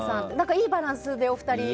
いいバランスで、お二人。